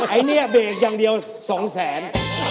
อันนี้เบรกอย่างเดียว๒แสน